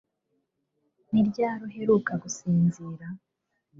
Ni ryari uheruka gusinzira?